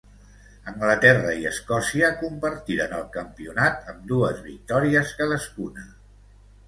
Anglaterra i Escòcia compartiren el campionat amb dues victòries cadascuna.